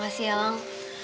makasih ya lang